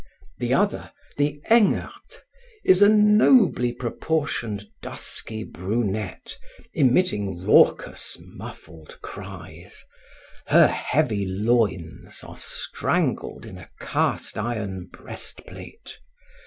The other, the Engerth, is a nobly proportioned dusky brunette emitting raucous, muffled cries. Her heavy loins are strangled in a cast iron breast plate.